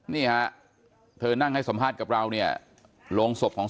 นี่ฮะเธอนั่งให้สัมภาษณ์กับเราเนี่ยโรงศพของ